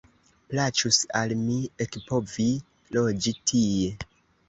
Plaĉus al mi ekpovi loĝi tie.